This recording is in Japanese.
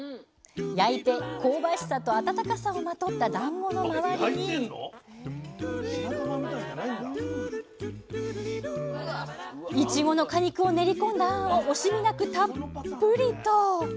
焼いて香ばしさと温かさをまとっただんごの周りにいちごの果肉を練り込んだあんを惜しみなくたっぷりと。